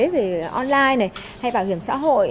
về online này hay bảo hiểm xã hội